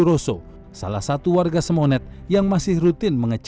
oh ada pengepulnya memang